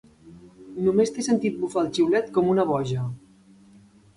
Només t'he sentit bufar el xiulet com una boja.